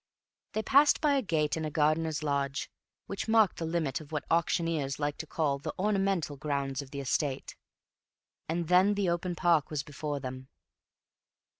They passed by a gate and a gardener's lodge, which marked the limit of what auctioneers like to call "the ornamental grounds of the estate," and then the open park was before them.